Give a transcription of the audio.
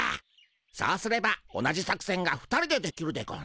そうすれば同じ作せんが２人でできるでゴンス。